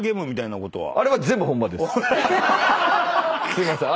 すいません。